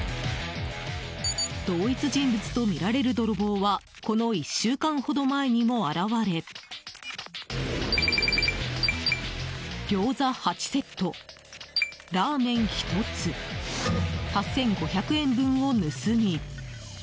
同一人物とみられる泥棒はこの１週間ほど前にも現れギョーザ８セット、ラーメン１つ８５００円分を盗み。